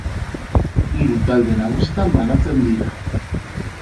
Hiru talde nagusitan banatzen dira.